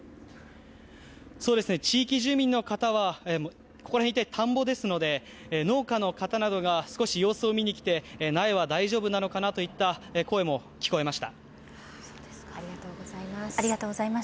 地域住民の方はここら一帯田んぼですので農家の方などが様子を見に来て苗は大丈夫なのかなといった声も聞こえました。